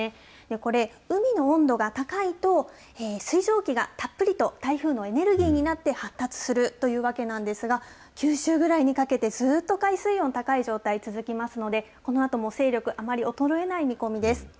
これ、海の温度が高いと、水蒸気がたっぷりと台風のエネルギーになって発達するというわけなんですが、九州ぐらいにかけて、ずっと海水温高い状態が続きますので、このあとも勢力、あまり衰えない見込みです。